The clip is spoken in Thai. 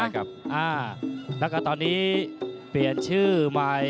แล้วก็ตอนนี้เปลี่ยนชื่อใหม่